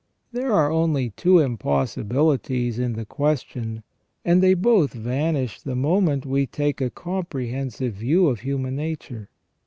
There are only two impossibilities in the question, and they both vanish the moment we take a compre hensive view of human nature.